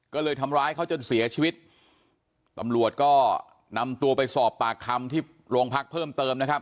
ก็เลยทำร้ายเขาจนเสียชีวิตตำรวจก็นำตัวไปสอบปากคำที่โรงพักเพิ่มเติมนะครับ